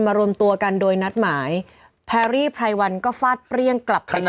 รวมตัวกันโดยนัดหมายแพรรี่ไพรวันก็ฟาดเปรี้ยงกลับไปเลย